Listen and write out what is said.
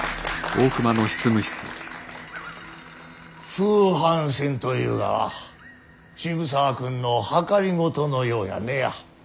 風帆船とゆうがは渋沢君の謀のようやねや。